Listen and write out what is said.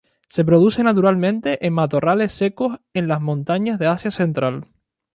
Se produce naturalmente en matorrales secos en las montañas de Asia central.